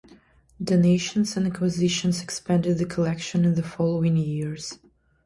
Donations and acquisitions expanded the collection in the following years.